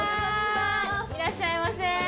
いらっしゃいませ。